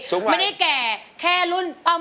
ขอประทานโทษนะคะ